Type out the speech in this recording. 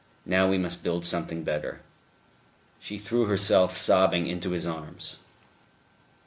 Now we must build something better." She threw herself sobbing into his arms.